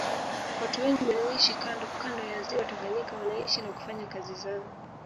Watu wengi wanaoishi kando kando ya Ziwa Tanganyika wanaishi na kufanya kazi zao